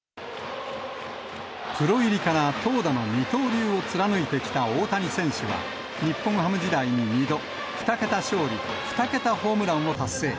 プロ入りから投打の二刀流を貫いてきた大谷選手は、日本ハム時代に２度、２桁勝利、２桁ホームランを達成。